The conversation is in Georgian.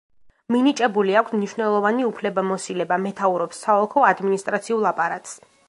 მინიჭებული აქვს მნიშვნელოვანი უფლებამოსილება, მეთაურობს საოლქო ადმინისტრაციულ აპარატს.